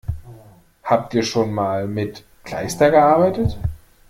Habt ihr schon mal mit Kleister gearbeitet?